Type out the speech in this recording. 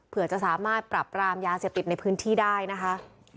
เพื่อจะสามารถปรับรามยาเสพติดในพื้นที่ได้นะคะ